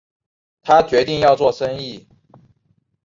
他决定要做生意